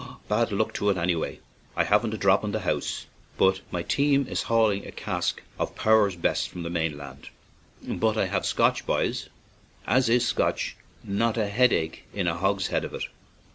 " Bad luck to it, anyhow, I haven't a drop in the house, but my team is hauling a cask of 'Power's Best' from the main land. But I have 'Scotch/ boys, as is 'Scotch'; not a headache in a hogshead of it!"